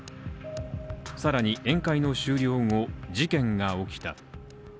更に、宴会の終了後事件が起きた。